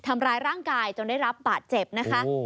ร้ายร่างกายจนได้รับปะเจ็บนะคะ